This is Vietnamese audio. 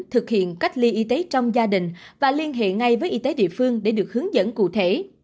thực hiện cách ly y tế trong gia đình và liên hệ ngay với y tế địa phương để được hướng dẫn cụ thể